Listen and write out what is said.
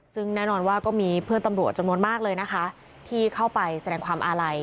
ซึ่งแน่นอนว่าก็มีเพื่อนตำรวจจำนวนมากเลยนะคะที่เข้าไปแสดงความอาลัย